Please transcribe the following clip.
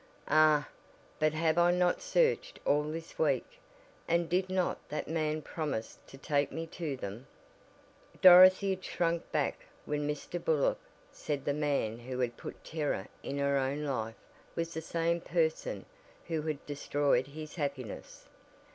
"Ah, but have I not searched all this week? And did not that man promise to take me to them?" Dorothy had shrunk back when Mr. Burlock said the man who had put terror in her own life was the same person who had destroyed his happiness.